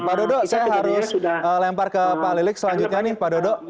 pak dodo saya harus lempar ke pak lilik selanjutnya nih pak dodo